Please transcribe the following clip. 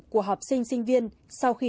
của học sinh sinh viên sau khi